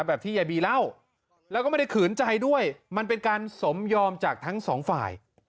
ที่ยายบีเล่าแล้วก็ไม่ได้ขืนใจด้วยมันเป็นการสมยอมจากทั้งสองฝ่าย